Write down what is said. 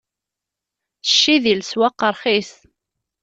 Cci di leswaq ṛxis.